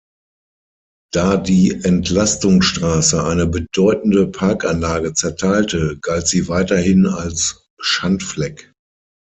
Da die Entlastungsstraße eine bedeutende Parkanlage zerteilte, galt sie weithin als Schandfleck.